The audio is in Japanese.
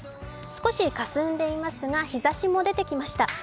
少しかすんでいますが日差しも出てきました。